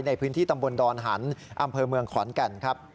ในพื้นที่ตำบลดอนหันอำเภอเมืองขอนแก่นครับ